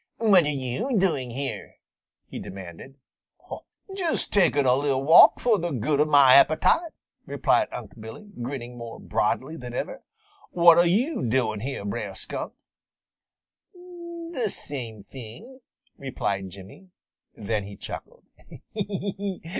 "What are you doing here?" he demanded. "Just taking a li'l walk fo' the good of mah appetite," replied Unc' Billy, grinning more broadly than ever. "What are yo' doing here, Brer Skunk?" "The same thing," replied Jimmy. Then he chuckled.